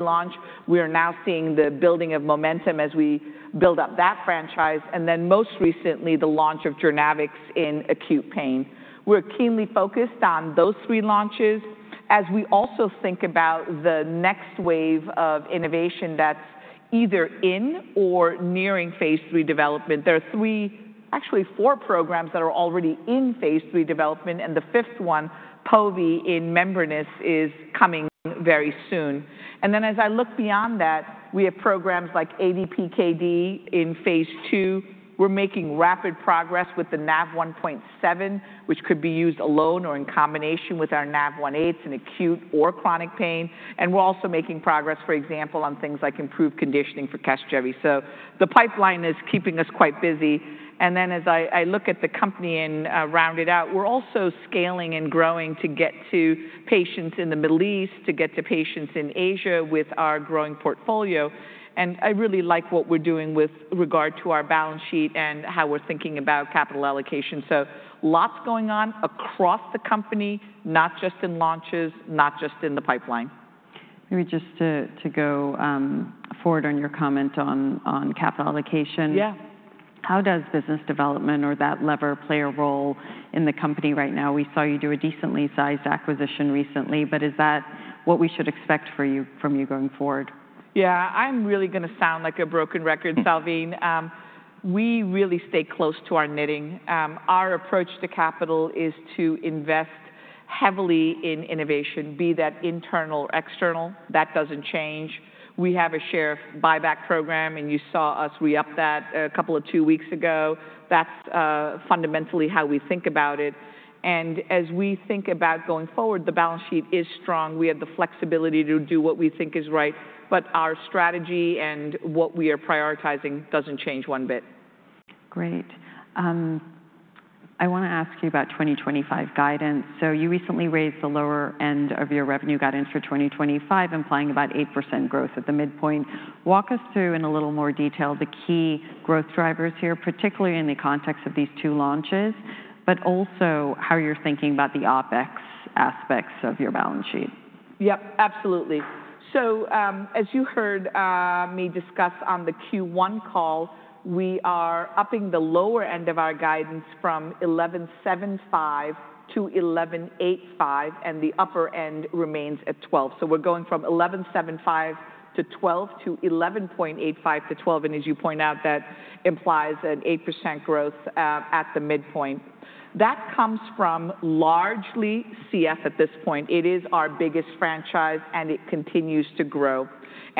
Launch. We are now seeing the building of momentum as we build up that franchise. Most recently the launch of JOURNAVX in acute pain. We're keenly focused on those three launches as we also think about the next wave of innovation that's either in or nearing phase III development. There are three, actually four, programs that are already in phase III development and the fifth one, POVI in membranous, is coming very soon. As I look beyond that, we have programs like ADPKD in phase II. We're making rapid progress with the Nav1.7, which could be used alone or in combination with our Nav1.8 in acute or chronic pain. We're also making progress, for example, on things like improved conditioning for CASGEVY. The pipeline is keeping us quite busy. As I look at the company and round it out, we're also scanning, scaling and growing to get to patients in the Middle East, to get to patients in Asia with our growing portfolio. I really like what we're doing with regard to our balance sheet and how we're thinking about capital allocation. Lots going on across the company, not just in launches, not just in the pipeline. Maybe just to go forward on your comment on capital allocation. Yeah. How does business development or that lever play a role in the company right now? We saw you do a decently sized acquisition recently, but is that what we should expect from you going forward? Yeah, I'm really going to sound like a broken record, Salveen. We really stay close to our knitting. Our approach to capital is to invest heavily in innovation, be that internal or external. That does not change. We have a share buyback program and you saw us re-up that a couple of weeks ago. That is fundamentally how we think about it. As we think about going forward, the balance sheet is strong. We have the flexibility to do what we think is right, but our strategy and what we are prioritizing does not change one bit. Great. I want to ask you about 2025 guidance. You recently raised the lower end of your revenue guidance for 2025, implying about 8% growth at the midpoint. Walk us through in a little more detail the key growth drivers here, particularly in the context of these two launches, but also how you're thinking about the OPEX aspects of your balance sheet. Yep, absolutely. As you heard me discuss on the Q1 call, we are upping the lower end of our guidance from $11.75 billion-$11.85 billion and the upper end remains at $12 billion, so we're going from $11.75 billion-$12 billion-$11.85 billion-$12 billion. As you point out, that implies an eight percent growth at the midpoint. That comes from largely CF. At this point, it is our biggest franchise and it continues to grow.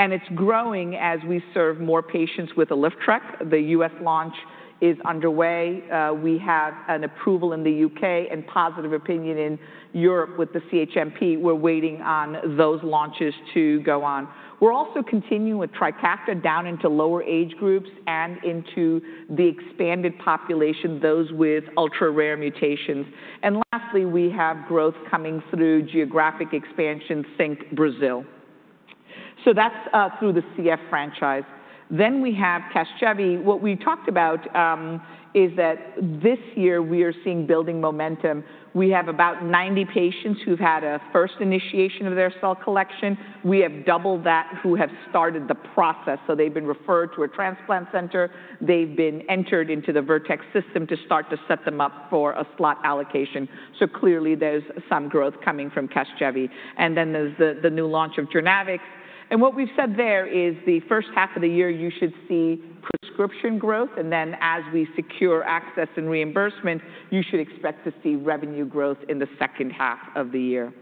It's growing as we serve more patients with ALYFTREK. The U.S. launch is underway. We have an approval in the U.K. and positive opinion in Europe with the CHMP. We're waiting on those launches to go on. We're also continuing with TRIKAFTA down into lower age groups and into the expanded population, those with ultra rare mutations. Lastly, we have growth coming through geographic expansion. Think Brazil. That's through the CF franchise. Then we have CASGEVY. What we talked about is that this year we are seeing building momentum. We have about 90 patients who've had a first initiation of their cell collection. We have double that who have started, so they've been referred to a transplant center, they've been entered into the Vertex system to start to set them up for a slot allocation. Clearly there's some growth coming from CASGEVY. There is the new launch of JOURNAVX. What we've said there is the first half of the year you should see prescription growth. As we secure access and reimbursement, you should expect to see revenue growth in the second half of the year.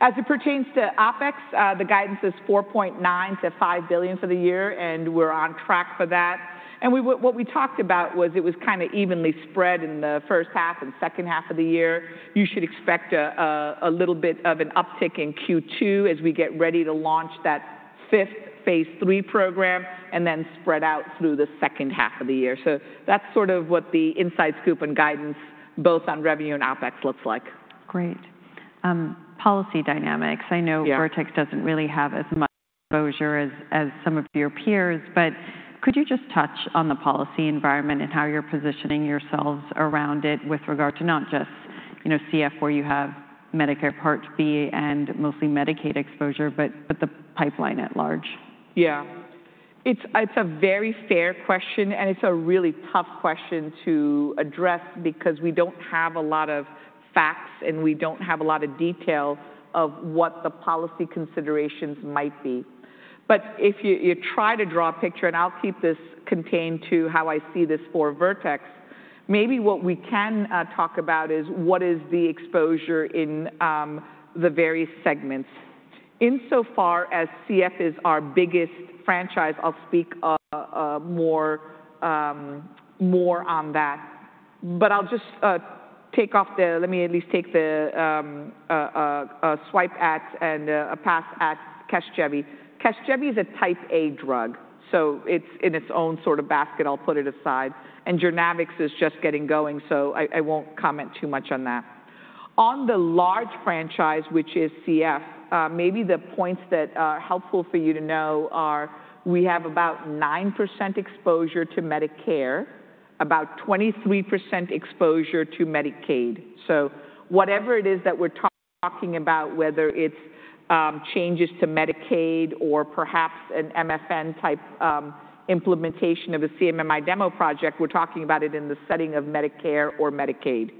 As it pertains to OPEX, the guidance is $4.9 billion-$5 billion for the year, and we're on track for that. What we talked about was it was kind of evenly spread in the first half and second half of the year. You should expect a little bit of an uptick in Q2 as we get ready to launch that fifth phase III program and then spread out through the second half of the year. That is sort of what the inside scoop and guidance both on revenue and OPEX looks like. Great policy dynamics. I know Vertex doesn't really have as much exposure as some of your peers, but could you just touch on the policy environment and how you're positioning yourselves around it with regard to not just, you know, CF, where you have Medicare Part B and mostly Medicaid exposure, but the pipeline at large? Yeah, it's a very fair question and it's a really tough question to address because we don't have a lot of facts and we don't have a lot of detail of what the policy considerations might be. If you try to draw a picture, and I'll keep this contained to how I see this for Vertex. Maybe what we can talk about is what is the exposure in the various segments? Insofar as CF is our biggest franchise, I'll spend more on that, but I'll just take off the—let me at least take the swipe at and a pass at CASGEVY. CASGEVY is a Type A Drug, so it's in its own sort of basket. I'll put it aside. JOURNAVIX is just getting going, so I won't comment too much on that. On the large franchise, which is CF. Maybe the points that are helpful for you to know are we have about 9% exposure to Medicare, about 23% exposure to Medicaid. Whatever it is that we're talking about, whether it's changes to Medicaid or perhaps an MFN type implementation of a CMMI demo project, we're talking about it in the setting of Medicare or Medicaid.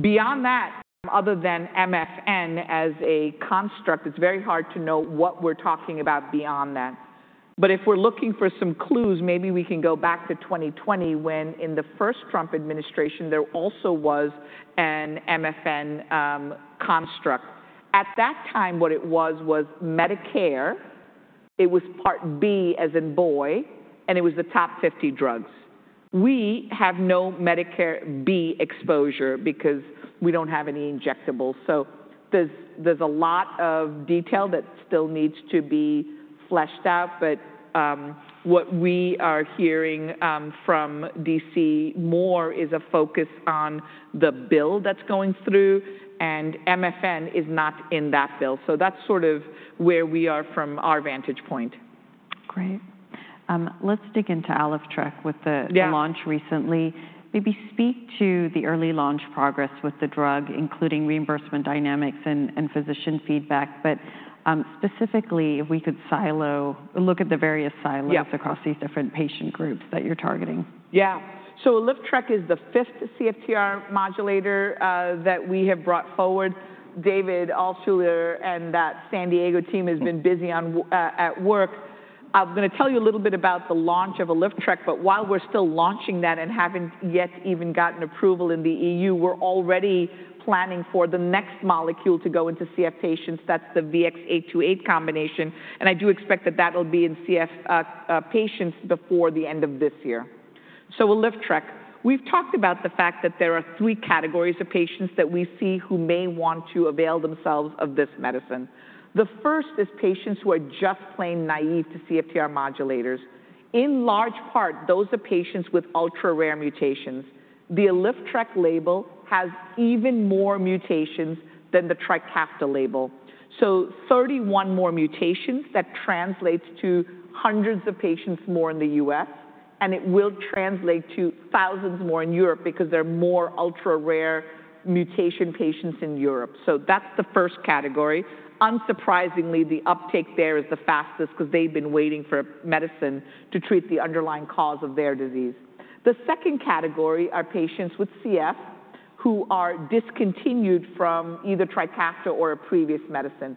Beyond that, other than MFN as a construct, it's very hard to know what we're talking about beyond that. If we're looking for some clues, maybe we can go back to 2020, when in the first Trump administration. There also was an MFN construct. At that time, what it was was Medicare. It was Part B, as in boy. It was the top 50 drugs. We have no Medicare Part B exposure because we don't have any injectables. There's a lot of detail that still needs to be fleshed out. But what we are hearing from DC more is a focus on the bill that's going through and MFN is not in that bill. So that's sort of where we are from our vantage point. Great. Let's dig into ALYFTREK with the launch recently, maybe speak to the early launch progress with the drug, including reimbursement dynamics and physician feedback. Specifically, if we could silo look at the various silos across these different patient groups that you're targeting? Yeah. So ALYFTREK is the fifth CFTR modulator that we have brought forward. David Altshuler and that San Diego team has been busy at work. I'm going to tell you a little bit about the launch of ALYFTREK. While we're still launching that and haven't yet even gotten approval in the EU, we're already planning for the next molecule to go into CF patients. That's the VX-828 combination. I do expect that that will be in CF patients before the end of this year. So ALYFTREK, we've talked about the fact that there are three categories of patients that we see who may want to avail themselves of this medicine. The first is patients who are just plain naive to CFTR modulators. In large part, those are patients with ultra rare mutations. The ALYFTREK label has even more mutations than the TRIKAFTA label. Thirty-one more mutations. That translates to hundreds of patients more in the US and it will translate to thousands more in Europe because there are more ultra rare mutation patients in Europe. That is the first category. Unsurprisingly, the uptake there is the fastest because they have been waiting for medicine to treat the underlying cause of their disease. The second category are patients with CF who are discontinued from either TRIKAFTA or a previous medicine.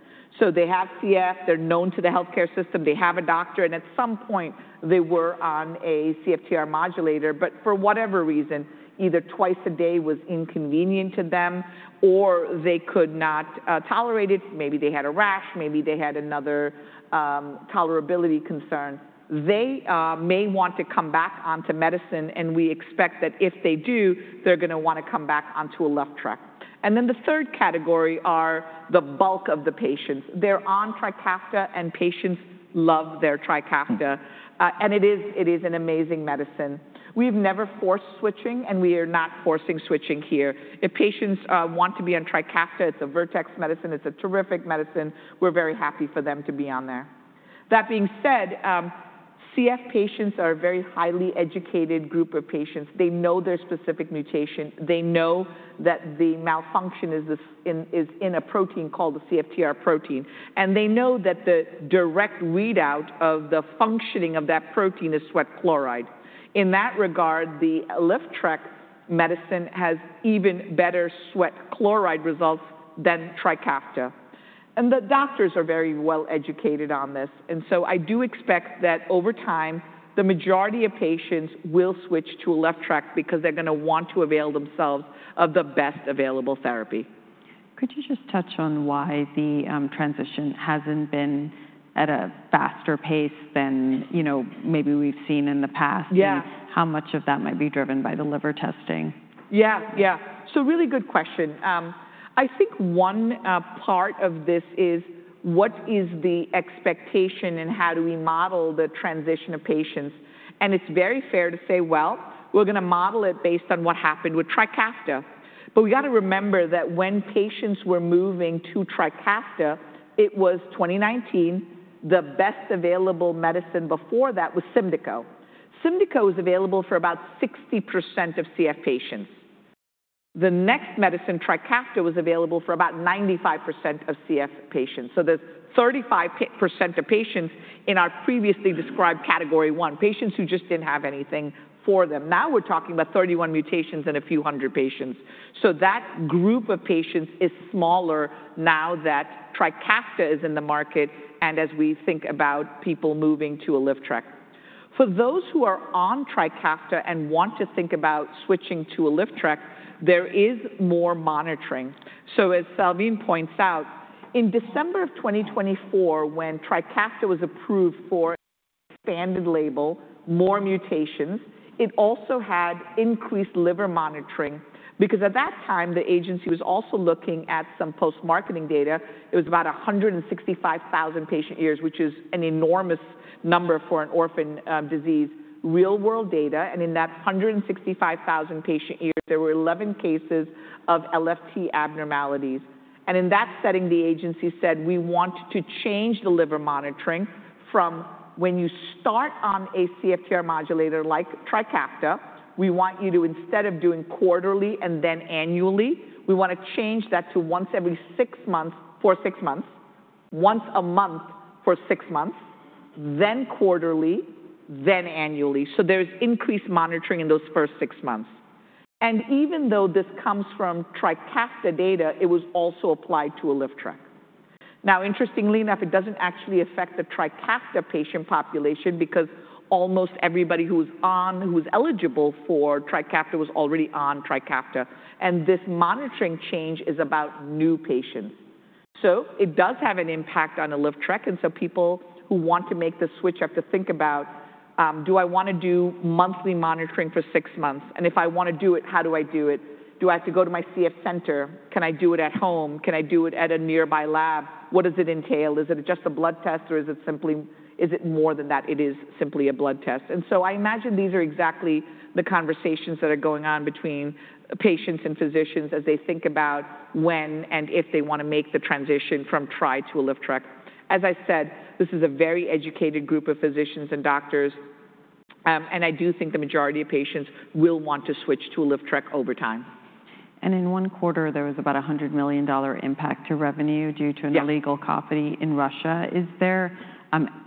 They have CF, they are known to the healthcare system, they have a doctor, and at some point they were on a CFTR modulator, but for whatever reason, either twice a day was inconvenient to them or they could not tolerate it. Maybe they had a rash, maybe they had another tolerability concern. They may want to come back onto medicine and we expect that if they do, they're going to want to come back onto ALYFTREK. The third category are the bulk of the patients, they're on TRIKAFTA and patients love their TRIKAFTA and it is an amazing medicine. We've never forced switching and we are not forcing switching here. If patients want to be on TRIKAFTA, it's a Vertex medicine. It's a terrific medicine. We're very happy for them to be on there. That being said, CF patients are a very highly educated group of patients. They know their specific mutation, they know that the malfunction is in a protein called the CFTR protein, and they know that the direct readout of the functioning of that protein is sweat poisoning. In that regard, the ALYFTREK medicine has even better sweat chloride results than TRIKAFTA. The doctors are very well educated on this. I do expect that over time the majority of patients will switch to ALYFTREK because they're going to want to avail themselves of the best available therapy. Could you just touch on why the transition hasn't been at a faster pace than maybe we've seen in the past? How much of that might be driven by the liver testing? Yeah, yeah. Really good question. I think one part of this is what is the expectation and how do we model the transition of patients? It's very fair to say, we're going to model it based on what happened with TRIKAFTA. We have to remember that when patients were moving to TRIKAFTA, it was 2019. The best available medicine before that was SYMDEKO. SYMDEKO is available for about 60% of CF patients. The next medicine, TRIKAFTA, was available for about 95% of CF patients. There's 35% of patients in our previously described category one patients who just did not have anything for them. Now we're talking about 31 mutations in a few hundred patients. That group of patients is smaller now that TRIKAFTA is in the market. As we think about people moving to ALYFTREK, for those who are on TRIKAFTA and want to think about switching to ALYFTREK, there is more monitoring. As Salveen points out, in December of 2024, when TRIKAFTA was approved for expanded label, more mutations, it also had increased liver monitoring. Because at that time, the agency was also looking at some post marketing data. It was 165,000 patient years, which is an enormous number for an orphan disease. Real world data. In that 165,000 patient years, there were 11 cases of LFT abnormalities. In that setting, the agency said, we want to change the liver monitoring from when you start on a CFTR modulator like TRIKAFTA. We want you to, instead of doing quarterly and then annually, we want to change that to once every six months for six months, once a month for six months, then quarterly, then annually. There is increased monitoring in those first six months. Even though this comes from TRIKAFTA data, it was also applied to ALYFTREK. Interestingly enough, it does not actually affect the TRIKAFTA patient population because almost everybody who was eligible for TRIKAFTA was already on TRIKAFTA. This monitoring change is about new patients. It does have an impact on ALYFTREK. People who want to make the switch have to think about, do I want to do monthly monitoring for six months and if I want to do it, how do I do it? Do I have to go to my CF center? Can I do it at home? Can I do it at a nearby lab? What does it entail? Is it just a blood test or is it simply, is it more than that? It is simply a blood test. I imagine these are exactly the conversations that are going on between patients and physicians as they think about when and if they want to make the transition from Tri to ALYFTREK. As I said, this is a very educated group of physicians and doctors and I do think the majority of patients will want to switch to ALYFTREK over time. In one quarter there was about $100 million impact to revenue due to an illegal copy in Russia. Is there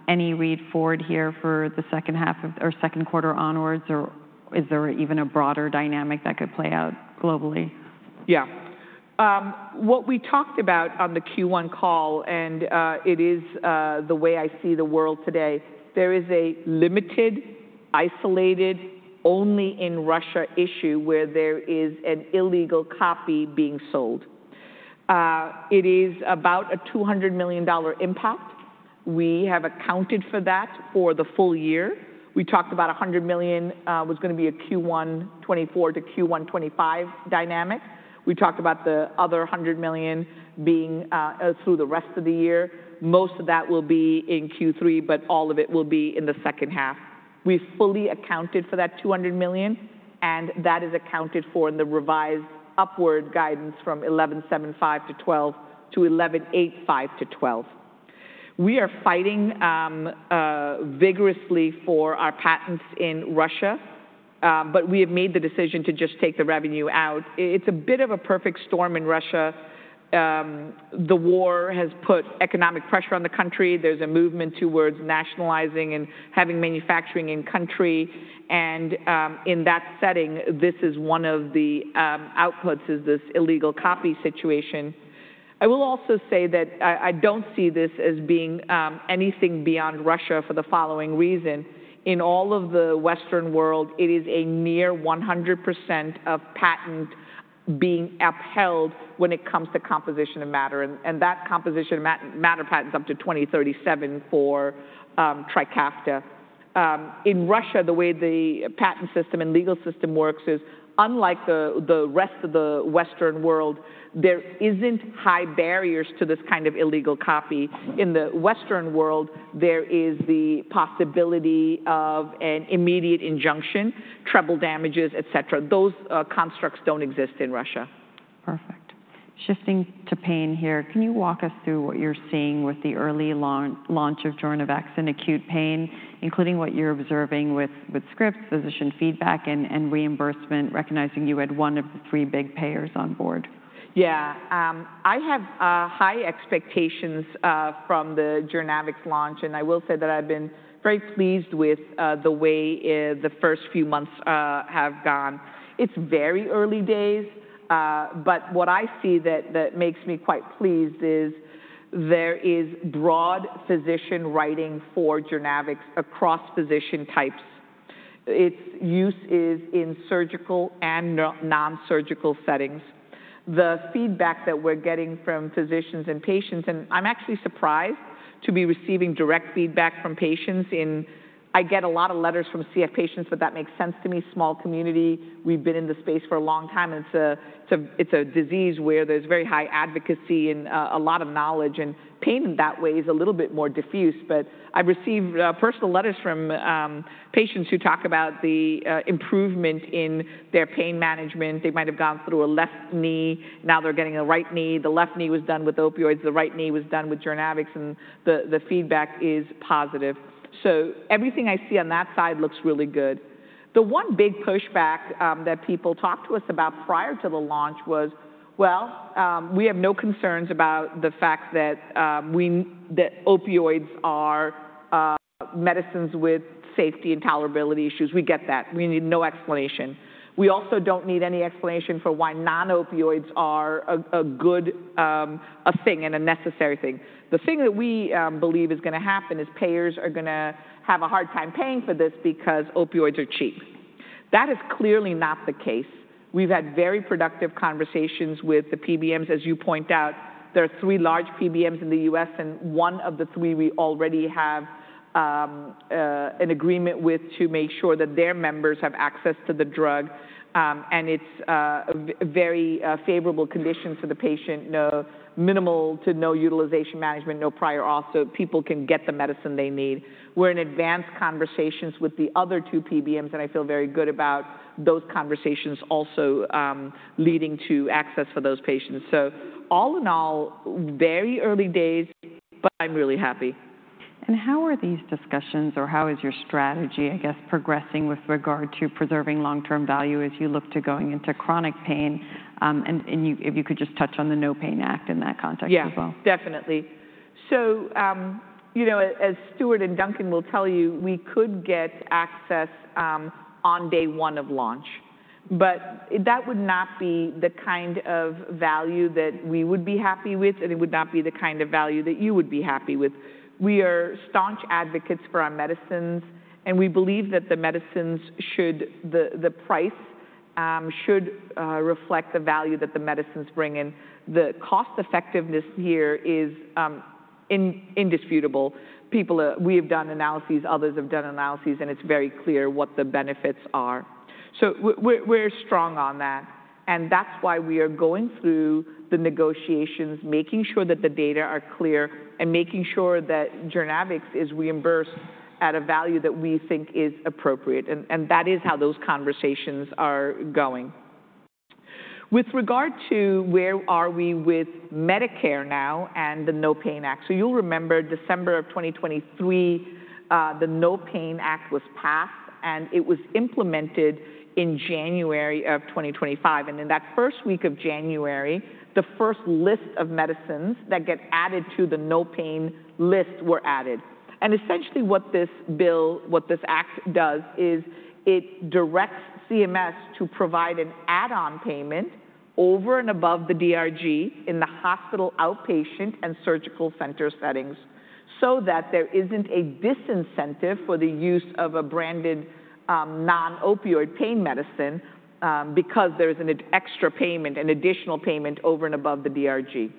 any read forward here for the second half or second quarter onwards, or is there even a broader dynamic that could play out globally? Yeah. What we talked about on the Q1 call and it is the way I see the world today. There is a limited, isolated, only in Russia issue where there is an illegal copy being sold. It is about a $200 million impact. We have accounted for that for the full year. We talked about $100 million was going to be a Q1 2024-Q1 2025 dynamic. We talked about the other $100 million being through the rest of the year. Most of that will be in Q3, but all of it will be in the second half. We fully accounted for that $200 million and that is accounted for in the revised upward guidance from $11.75 billion-$12 billion-$11.85 billion-$12 billion. We are fighting vigorously for our patents in Russia. We have made the decision to just take the revenue out. It's a bit of a perfect storm in Russia. The war has put economic pressure on the country. There's a movement towards nationalizing and having manufacturing in country. In that setting, this is one of the outputs. Is this illegal copy situation. I will also say that I don't see this as being anything beyond Russia. For the following reason. In all of the Western world, it is a near 100% of patent being upheld when it comes to composition of matter. That composition of matter patent is up to 2037 for TRIKAFTA in Russia. The way the patent system and legal system works is unlike the rest of the Western world, there are not high barriers to this kind of illegal copy in the Western world. There is the possibility of an immediate injunction, treble damages, et cetera. Those constructs do not exist in Russia. Perfect. Shifting to pain here. Can you walk us through what you're seeing with the early launch of JOURNAVX in acute pain, including what you're observing with scripts, physician feedback, and reimbursement, recognizing you had one of the three big payers on board? Yeah, I have high expectations from the JOURNAVX launch and I will say that I've been very pleased with the way the first few months have gone. It's very early days. What I see that makes me quite pleased is there is broad physician writing for JOURNAVX across physician types. Its use is in surgical and non-surgical settings. The feedback that we're getting from physicians and patients, and I'm actually surprised to be receiving direct feedback from patients in. I get a lot of letters from CF patients, but that makes sense to me. Small community, we've been in the space for a long time. It's a disease where there's very high advocacy and a lot of knowledge, and pain in that way is a little bit more diffuse. I received personal letters from patients who talk about the improvement in their pain management. They might have gone through a left knee, now they're getting a right knee. The left knee was done with opioids, the right knee was done with JOURNAVX and the feedback is positive. Everything I see on that side looks really good. The one big pushback that people talked to us about prior to the launch was, we have no concerns about the fact that opioids are medicines with safety and tolerability issues. We get that. We need no explanation. We also do not need any explanation for why non opioids are a good thing and a necessary thing. The thing that we believe is going to happen is payers are going to have a hard time paying for this because opioids are cheap. That is clearly not the case. We have had very productive conversations with the PBMs, as you point out. There are three large PBMs in the U.S. and one of the three we already have an agreement with to make sure that their members have access to the drug and it's very favorable conditions for the patient. Minimal to no utilization management, no prior offset, people can get the medicine they need. We're in advanced conversations with the other two PBMs and I feel very good about those conversations also leading to access for those patients. All in all, very early days. I am really happy. How are these discussions or how is your strategy, I guess, progressing with regard to preserving long term value as you look to going into chronic pain, and if you could just touch on the No Pain Act in that context as well? Yeah, definitely. You know, as Stuart and Duncan will tell you, we could get access on day one of launch, but that would not be the kind of value that we would be happy with and it would not be the kind of value that you would be happy with. We are staunch advocates for our medicines and we believe that the medicines should, the price should reflect the value that the medicines bring and the cost effectiveness here is indisputable. People, we have done analyses, others have done analyses, and it's very clear what the benefits are. We are strong on that. That is why we are going through the negotiations making sure that the data are clear and making sure that JOURNAVX is reimbursed at a value that we think is appropriate. That is how those conversations are going with regard to where are we with Medicare now and the No Pain Act. You'll remember December of 2023, the No Pain Act was passed and it was implemented in January of 2025. In that first week of January, the first list of medicines that get added to the No Pain list were added. Essentially what this bill, what this act does is it directs CMS to provide an add-on payment over and above the DRG in the hospital, outpatient, and surgical center settings so that there is not a disincentive for the use of a branded non-opioid pain medicine because there is an extra payment, an additional payment over and above the DRG.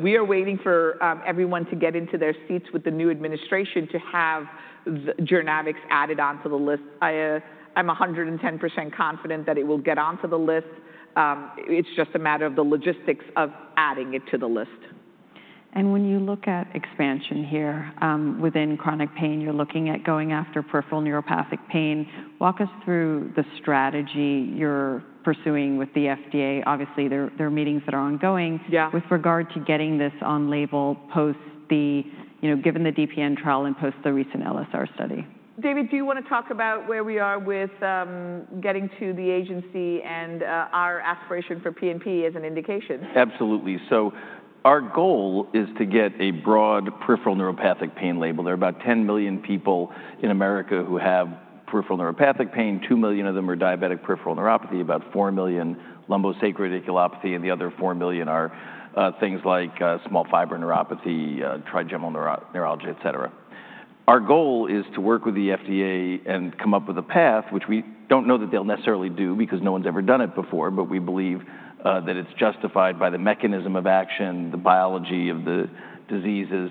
We are waiting for everyone to get into their seats with the new administration to have added onto the list. I'm 110% confident that it will get onto the list. It's just a matter of the logistics of adding it to the list. When you look at expansion here within chronic pain, you're looking at going after peripheral neuropathic pain. Walk us through the strategy you're pursuing with the FDA. Obviously there are meetings that are ongoing with regard to getting this on label post the, you know, given the DPN trial and post the recent LSR study? David, do you want to talk about where we are with getting to the agency and our aspiration for PNP as an indication? Absolutely. Our goal is to get a broad peripheral neuropathic pain label. There are about 10 million people in America who have peripheral neuropathic pain. Two million of them are diabetic peripheral neuropathy, about four million, lumbosacral radiculopathy, and the other four million are things like small fiber neuropathy, trigeminal neuralgia, et cetera. Our goal is to work with the FDA and come up with a path which we do not know that they will necessarily do because no one has ever done it before. We believe that it is justified by the mechanism of action, the biology of the diseases.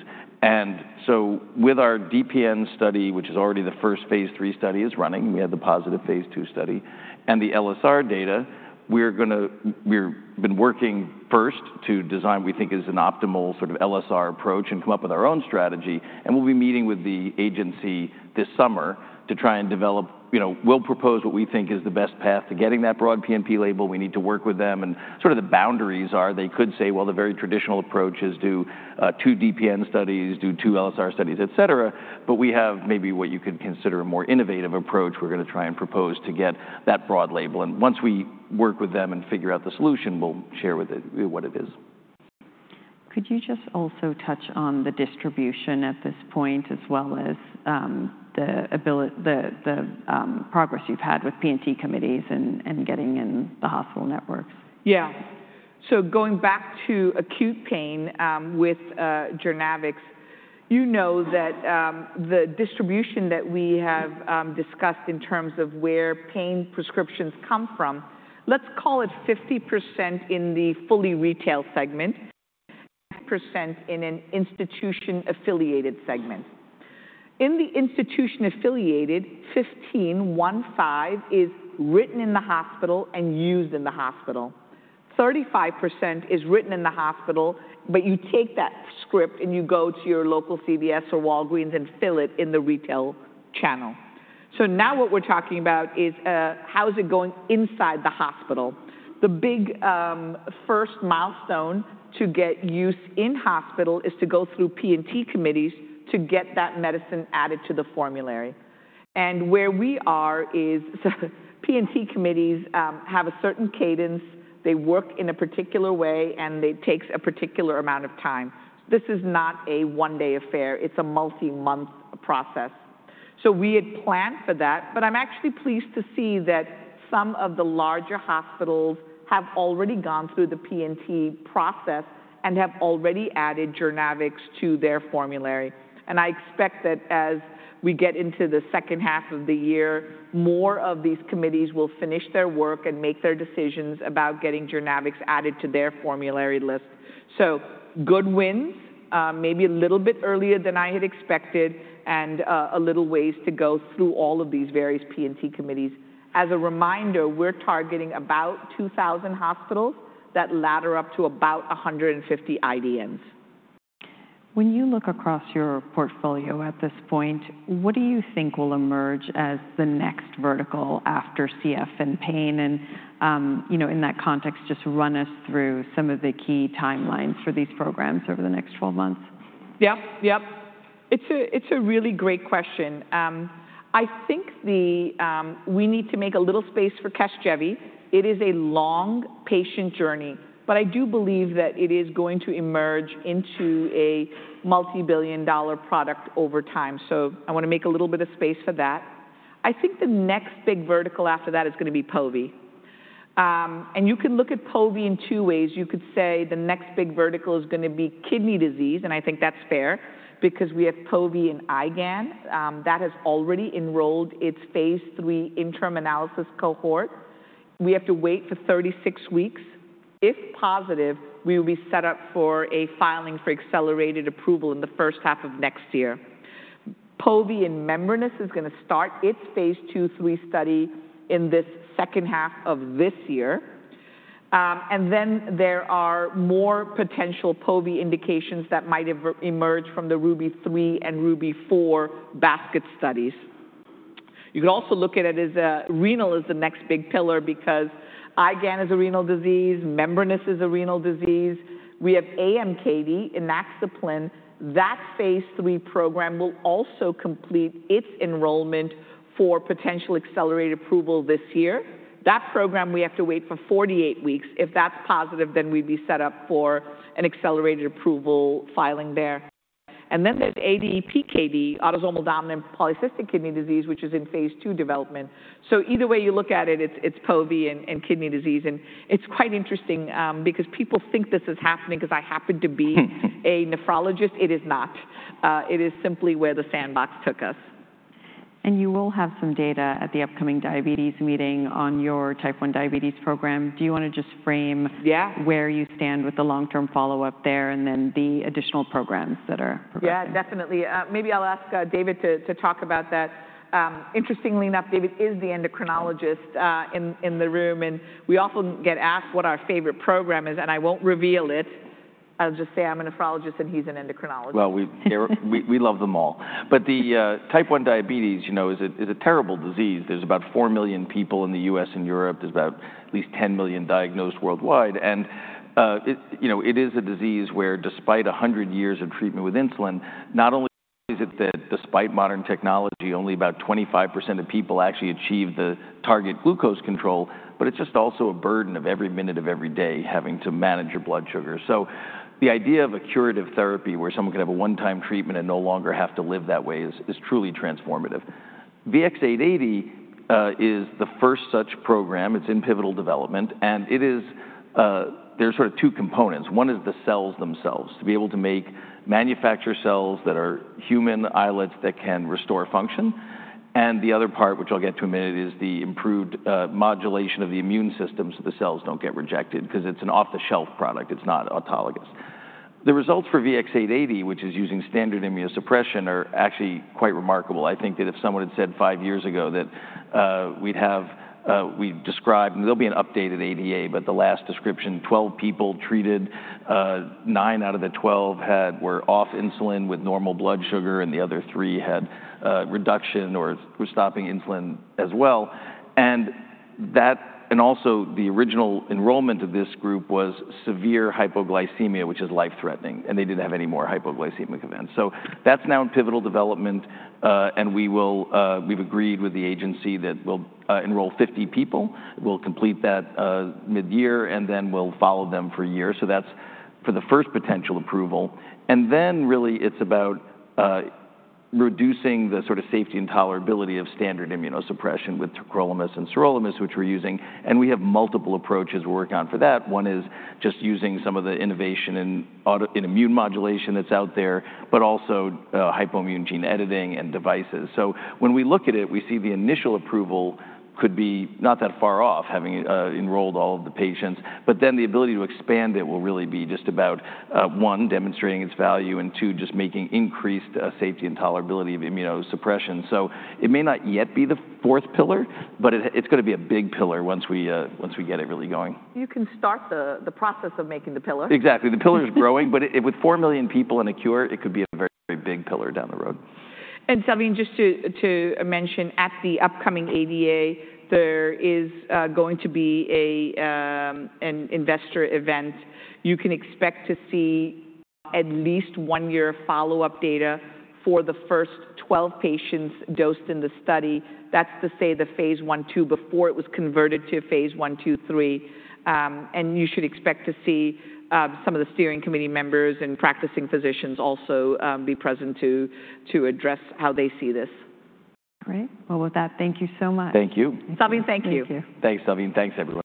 With our DPN study, which is already the first phase III study is running, we had the positive phase II study and the LSR data. We're going to, we've been working first to design, we think is an optimal sort of LSR approach and come up with our own strategy. We will be meeting with the agency this summer to try and develop, you know, we'll propose what we think is the best path to getting that broad PNP label. We need to work with them. The boundaries are they could say, well, the very traditional approach is do two DPN studies, do two LSR studies, et cetera. We have maybe what you could consider a more innovative approach. We're going to try and propose to get that broad label. Once we work with them and figure out the solution, we'll share with you what it is. Could you just also touch on the distribution at this point as well as the progress you've had with P&T committees and getting in the hospital networks? Yeah. So going back to acute pain with JOURNAVX, you know that the distribution that we have discussed in terms of where pain prescriptions come from, let's call it 50% in the fully retail segment, percent in an institution affiliated segment. In the institution affiliated, 15% is written in the hospital and used in the hospital. 35% is written in the hospital, but you take that script and you go to your local CVS or Walgreens and fill it in the retail. Now what we're talking about is how is it going inside the hospital. The big first milestone to get use in hospital is to go through P&T committees to get that medicine added to the formulary. Where we are is P&T committees have a certain cadence, they work in a particular way and it takes a particular amount of time. This is not a one day affair, it's a multi month process. We had planned for that. I'm actually pleased to see that some of the larger hospitals have already gone through the P&T process and have already added JOURNAVX to their formulary. I expect that as we get into the second half of the year, more of these committees will finish their work and make their decisions about getting JOURNAVX added to their formulary list. Good wins. Maybe a little bit earlier than I had expected and a little ways to go through all of these various P&T committees. As a reminder, we're targeting about 2,000 hospitals that ladder up to about 150 IDNs. When you look across your portfolio at this point, what do you think will emerge as the next vertical after CF and pain? In that context, just run us through some of the key timelines for these programs over the next 12 months? Yep, yep. It's a really great question. I think we need to make a little space for CASGEVY. It is a long patient journey, but I do believe that it is going to emerge into a multi billion dollar product over time. I want to make a little bit of space for that. I think the next big vertical after that is going to be POVI. You can look at POVI in two ways. You could say the next big vertical is going to be kidney disease. I think that's fair because we have POVI and IgAN that has already enrolled its phase III interim analysis cohort. We have to wait for 36 weeks. If positive, we will be set up for a filing for accelerated approval in the first half of next year. POVI and membranous is going to start its phase II, phase III study in this second half of this year. There are more potential POVI indications that might emerge from the RUBY 3.0.0 and RUBY 4.0.0 basket studies. You can also look at it as renal is the next big pillar because IgAN is a renal disease. Membranous is a renal disease. We have ADPKD in maxeplan. That phase III program will also complete its enrollment for potential accelerated approval this year. That program, we have to wait for 48 weeks. If that's positive, then we'd be set up for an accelerated approval filing there. There is ADPKD, Autosomal Dominant Polycystic Kidney Disease, which is in phase II development. Either way you look at it, it's POV and kidney disease. It is quite interesting because people think this is happening because I happen to be a nephrology. It is not. It is simply where the sandbox took us. You will have some data at the upcoming diabetes meeting on your type 1 diabetes program. Do you want to just frame where you stand with the long term follow up there and then the additional programs that are provided? Yeah, definitely. Maybe I'll ask David to talk about that. Interestingly enough, David is the endocrinologist in the room. We often get asked what our favorite program is. I won't reveal it. I'll just say I'm a nephrologist and he's an endocrinologist. We love them all. The type 1 diabetes, you know, is a terrible disease. There are about four million people in the U.S. and Europe. There are at least 10 million diagnosed worldwide. You know, it is a disease where despite 100 years of treatment with insulin, not only is it that despite modern technology only about 25% of people actually achieve the target glucose control, but it is also a burden of every minute of every day having to manage your blood sugar. The idea of a curative therapy where someone can have a one-time treatment and no longer have to live that way is truly transformative. VX-880 is the first such program. It is in pivotal development and there are sort of two components. One is the cells themselves to be able to make, manufacture cells that are human islets that can restore function. The other part, which I'll get to in a minute, is the improved modulation of the immune system so the cells do not get rejected because it is an off-the-shelf product, it is not autologous. The results for VX-880, which is using standard immunosuppression, are actually quite remarkable. I think that if someone had said five years ago that we would have what we described, there will be an updated ADA. The last description, 12 people treated, nine out of the 12 were off insulin with normal blood sugar and the other three had reduction or were stopping insulin as well. That, and also the original enrollment of this group was severe hypoglycemia, which is life threatening, and they did not have any more hypoglycemic events. That is now in pivotal development and we have agreed with the agency that we will enroll 50 people. We will complete that mid year and then we will follow them for a year. That is for the first potential approval and then really it is about reducing the sort of safety and tolerability of standard immunosuppression with tacrolimus and sirolimus, which we are using. We have multiple approaches we are working on for that. One is just using some of the innovation in immune modulation that is out there, but also hypoimmune gene editing and devices. When we look at it, we see the initial approval could be not that far off, having enrolled all of the patients, but then the ability to expand it will really be just about, one, demonstrating its value and, two, just making increased safety and tolerability of immunosuppression. It may not yet be the fourth pillar, but it's going to be a big pillar. Once we get it really going. You can start the process of making the pillar. Exactly. The pillar is growing but with four million people in a cure, it could be a very big pillar down the road. Salveen, just to mention at the upcoming ADA there is going to be an investor event. You can expect to see at least one year follow-up data for the first 12 patients dosed in the study. That is to say the phase I, phase II before it was converted to phase I, phase II. You should expect to see some of the steering committee members and practicing physicians also be present to address how they see this. Great. With that, thank you so much. Thank you. Salveen. Thank you. Thank you. Thanks Salveen. Thanks everyone.